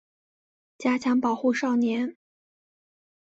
加强保护少年